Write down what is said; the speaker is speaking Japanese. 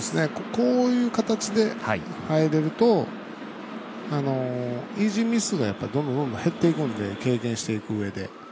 こういう形では入れるとイージーミスがどんどん減っていくんで経験していくうえで。